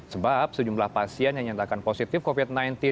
sebab sejumlah pasien yang nyatakan positif covid sembilan belas